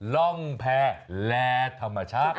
ร่องแพร่และธรรมชาติ